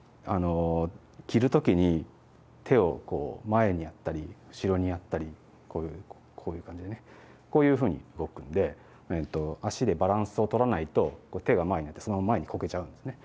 着る時に手を前にやったり後ろにやったりこういう感じでねこういうふうに動くんで足でバランスを取らないと手が前に行ってそのまま前にこけちゃうんですね。